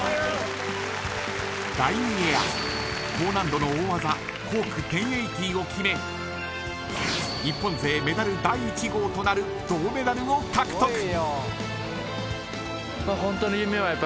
第２エア、高難度の大技コーク１０８０を決め日本勢メダル第１号となる銅メダルを獲得。